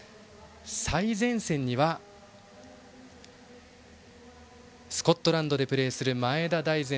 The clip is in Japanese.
最前線にはスコットランドでプレーする前田大然。